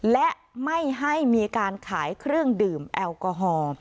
และไม่ให้มีการขายเครื่องดื่มแอลกอฮอล์